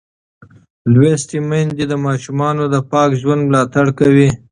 لوستې میندې د ماشومانو د پاک ژوند ملاتړ کوي.